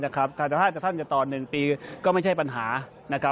ความต่ำอยากต่อ๑ปีก็ไม่ใช่ปัญหา